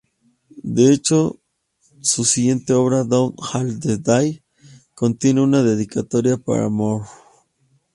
De hecho, su siguiente obra, "Down All the Days", contiene una dedicatoria para Moore.